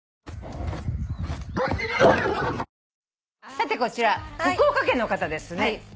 さてこちら福岡県の方ですね。